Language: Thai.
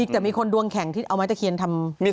แต่มีคนดวงแข็งที่เอาไม้ตะเคียนทำ